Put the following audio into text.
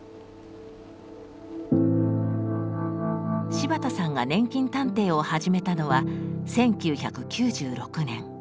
柴田さんが年金探偵を始めたのは１９９６年。